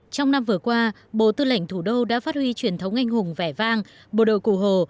trong năm vừa qua bộ tư lệnh thủ đô đã phát huy truyền thống anh hùng vẻ vang bộ đội cụ hồ